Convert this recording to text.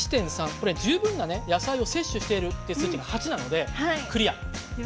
これ十分な野菜を摂取しているっていう数値が８なのでクリアなんです。